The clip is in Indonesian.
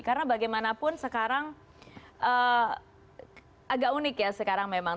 karena bagaimanapun sekarang agak unik ya sekarang memang